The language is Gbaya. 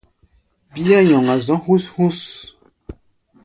Bíá nyɔŋa zɔ̧́ hú̧s-hú̧s.